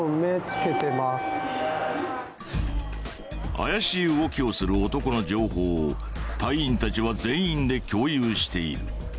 怪しい動きをする男の情報を隊員たちは全員で共有している。